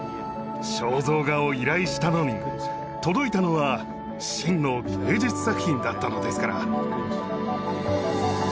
肖像画を依頼したのに届いたのは真の芸術作品だったのですから。